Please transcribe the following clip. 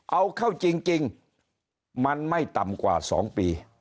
เอาเข้าจริงจริงมันไม่ต่ำกว่าสองปี